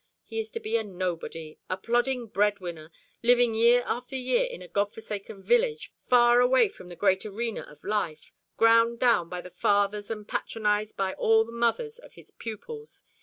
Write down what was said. He is to be a nobody, a plodding bread winner, living year after year in a God forsaken village, far away from the great arena of life; ground down by the fathers and patronised by the mothers of his pupils.